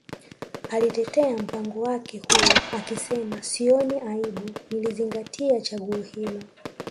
Alitetea mpango wake huo akisema Sioni aibu nilizingatia chaguo hilo